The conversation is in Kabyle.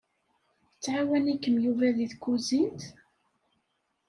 Yettɛawan-ikem Yuba di tkuzint?